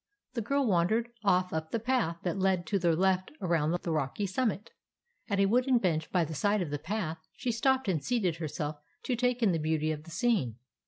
The girl wandered off up the path that led to the left around the rocky summit. At a wooden bench by the side of the path she stopped and seated herself to take in the beauty of the scene.